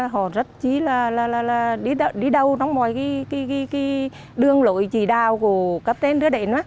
họ rất chí là đi đâu trong mọi cái đường lội chỉ đào của cấp tên đưa đến